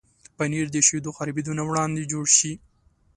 پنېر د شیدو خرابېدو نه وړاندې جوړ شي.